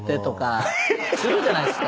するじゃないですか。